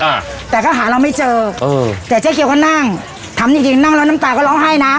อะแต่เขาหาเราไม่เจออ่าแต่แจ๊วเขานั่งทำจริงจริงนั่งแล้วน้ำตาลก็ร้องห้ายน่ะ